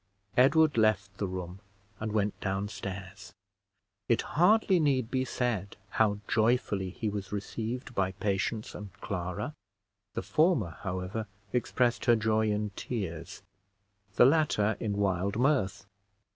Edward left the room, and went down stairs. It hardly need be said how joyfully he was received by Patience and Clara. The former, however, expressed her joy in tears the latter, in wild mirth.